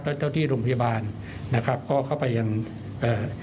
แล้วเจ้าที่โรงพยาบาลนะครับก็เข้าไปยังเอ่อ